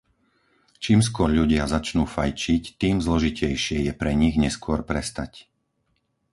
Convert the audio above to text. Čím skôr ľudia začnú fajčiť, tým zložitejšie je pre nich neskôr prestať.